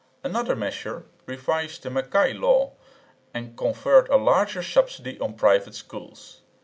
Another measure revised the Mackay Law and conferred a larger subsidy on "private" schools.